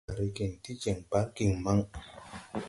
Tiŋ ma regen ti jɛŋ bargiŋ maŋ.